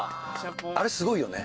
あれすごいよね。